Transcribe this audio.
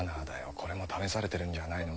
これも試されてるんじゃあないの？